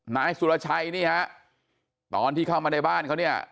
นายสุรชัยตอนที่เข้ามาในบ้านเขา